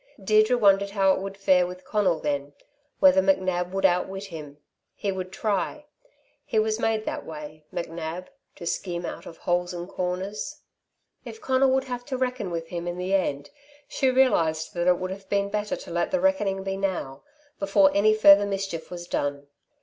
Deirdre wondered how it would fare with Conal then, whether McNab would outwit him. He would try. He was made that way McNab to scheme out of holes and corners. If Conal would have to reckon with him in the end, she realised that it would have been better to let the reckoning be now, before any further mischief was done.